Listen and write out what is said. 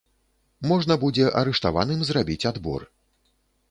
Можна будзе арыштаваным зрабіць адбор.